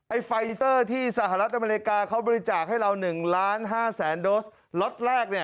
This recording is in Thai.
ไอ้ไฟเซอร์ที่สหรัฐอเมริกาเขาบริจาคให้เรา๑๕๐๐๐๐๐โดสล็อตแรกเนี่ย